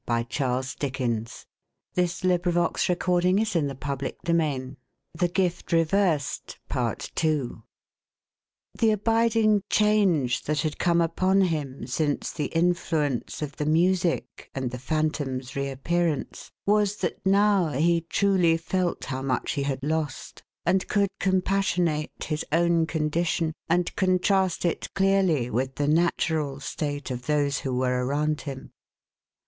He drooped his head upon his hand too, as trying to reawaken something he had lost. But it was gone. The abiding change that had come upon him since the influence of the music, and the Phantom's reappearance, was, that now he truly felt how much he had lost, and could com passionate his own condition, and contrast it, clearly, with the natural state of those who were around him.